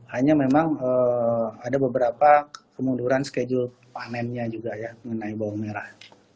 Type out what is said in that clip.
hanya memang ada beberapa kemunduran schedule panennya juga ya mengenai bawang merah